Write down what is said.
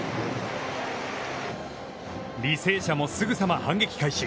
履正社もすぐさま反撃開始。